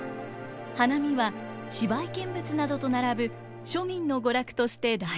花見は芝居見物などと並ぶ庶民の娯楽として大人気に。